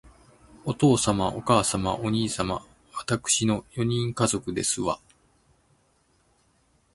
お父様、お母様、お兄様、わたくしの四人家族ですわ